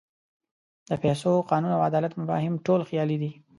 د پیسو، قانون او عدالت مفاهیم ټول خیالي دي.